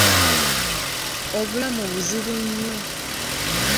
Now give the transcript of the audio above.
Obulamu buzibu nnyo.